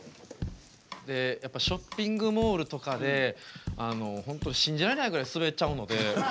ショッピングモールとかで本当信じられないぐらいスベっちゃうので。